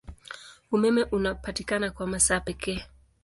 Umeme unapatikana kwa masaa pekee.